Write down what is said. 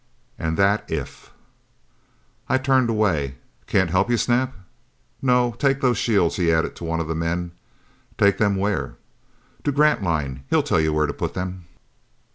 Ah, that if! I turned away. "Can't help you, Snap?" "No.... Take those shields," he added to one of the men. "Take them where?" "To Grantline. He'll tell you where to put them."